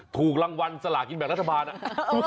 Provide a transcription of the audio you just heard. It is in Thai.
ถูกรางวัลสลากินแบ่งรัฐบาลอ่ะ